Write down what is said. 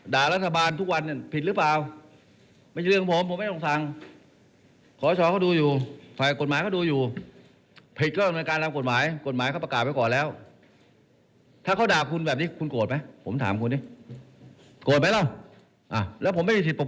ด้านในจตุพรพรมพันธ์ได้มีการเปิดเผยกับทีมข่าวไทยรัฐทีวี